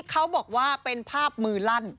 เขาบอกว่าเป็นภาพมือลั่น